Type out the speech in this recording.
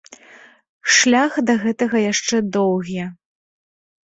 Шлях да гэтага яшчэ доўгі.